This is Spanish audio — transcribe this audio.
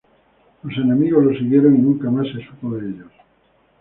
Los enemigos lo siguieron y nunca más se supo de ellos.